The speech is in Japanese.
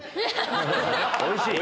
おいしい！